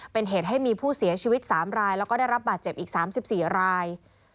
เป็นเหตุให้มีผู้เสียชีวิต๓รายแล้วก็ได้รับบาดเจ็บอีก๓๔ราย